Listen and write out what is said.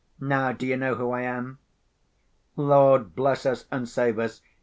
Now do you know who I am?" Lord bless us and save us!